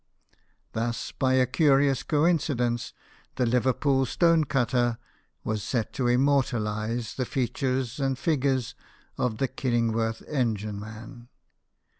Thus, by a curious coincidence, the Liverpool stone cutter was set to immortalize the features and figure of the Killingworth engine man.